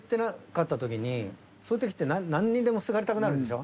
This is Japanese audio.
そういう時って何にでもすがりたくなるでしょ。